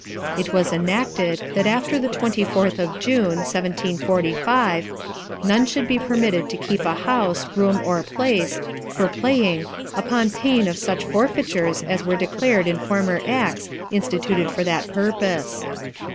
It was enacted, that after the 24th of June, 1745, none should be permitted to keep a house, room, or place, for playing, upon pain of such forfeitures as were declared in former acts instituted for that purpose.